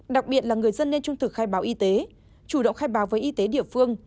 đặc biệt là người dân nên trung thực khai báo y tế chủ động khai báo với y tế địa phương